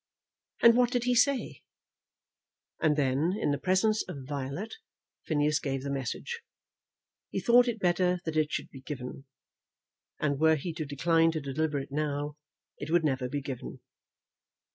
"And what did he say?" And then, in the presence of Violet, Phineas gave the message. He thought it better that it should be given; and were he to decline to deliver it now, it would never be given.